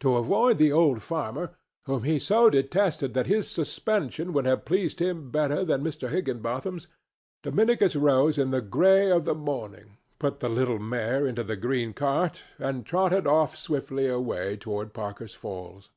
To avoid the old farmer (whom he so detested that his suspension would have pleased him better than Mr. Higginbotham's), Dominicus rose in the gray of the morning, put the little mare into the green cart and trotted swiftly away toward Parker's Falls.